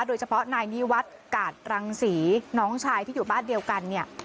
โดยเฉพาะนายนิวัฒน์กาดรังศรีน้องชายที่อยู่บ้านเดียวกันเนี่ย